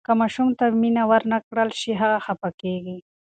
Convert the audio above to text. که ماشوم ته مینه ورنکړل شي، هغه خفه کیږي.